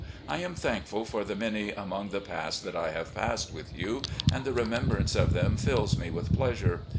I am thankful for the many among the past that I have passed with you, and the remembrance of them fills me with pleasure.